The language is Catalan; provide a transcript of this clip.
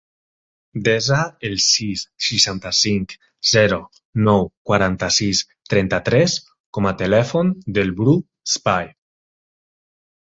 Desa el sis, seixanta-cinc, zero, nou, quaranta-sis, trenta-tres com a telèfon del Bru Sbai.